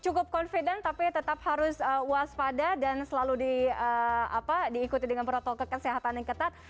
cukup confident tapi tetap harus waspada dan selalu diikuti dengan protokol kesehatan yang ketat